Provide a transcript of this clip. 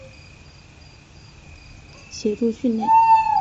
协助训练。